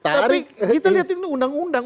tapi kita lihat ini undang undang